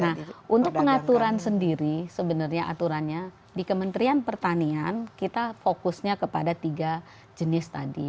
nah untuk pengaturan sendiri sebenarnya aturannya di kementerian pertanian kita fokusnya kepada tiga jenis tadi